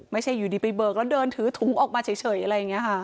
ไม่ใช่อยู่ดีไปเบิกแล้วเดินถือถุงออกมาเฉยอะไรอย่างนี้ค่ะ